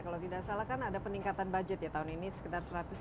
kalau tidak salah kan ada peningkatan budget ya tahun ini sekitar satu ratus lima puluh